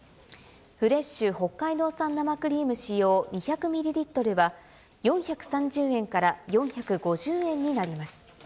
フレッシュ北海道産生クリーム使用２００ミリリットルは、４３０円から４５０円になります。